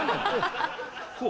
こう？